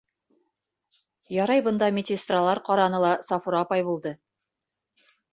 Ярай, бында медсестралар ҡараны ла Сафура апай булды...